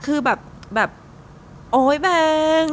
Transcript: คือแบบโอ๊ยแบง